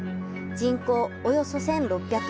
人口およそ１６００。